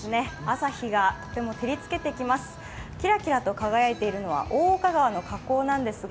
朝日がとても照りつけてきます。